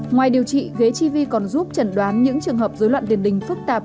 ngoài điều trị ghế chivi còn giúp chẩn đoán những trường hợp dối loạn tiền đình phức tạp